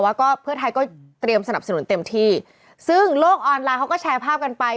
ว่าก็เพื่อไทยก็เตรียมสนับสนุนเต็มที่ซึ่งโลกออนไลน์เขาก็แชร์ภาพกันไป